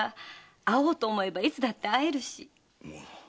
会おうと思えばいつでも会える。